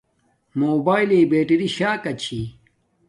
موباݵل لݵے بیٹری شاکا چھیݵ